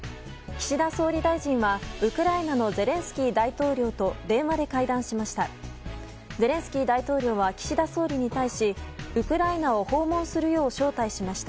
岸田総理大臣は、ウクライナのゼレンスキー大統領と電話で会談しました。